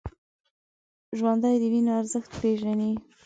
ژوندي د وینو ارزښت پېژني